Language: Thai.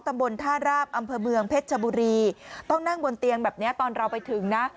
ตำบลท่าราบอำเภอเมืองเพชรชบุรีต้องนั่งบนเตียงแบบเนี้ยตอนเราไปถึงนะ